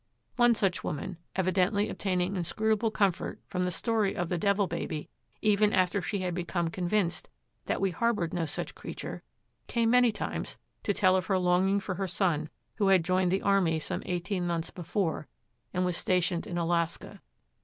One such woman, evidently obtaining inscrutable comfort from the story of the Devil Baby even after she had become convinced that we harbored no such creature, came many times to tell of her longing for her son who had joined the army some eighteen months before and was stationed in Alaska.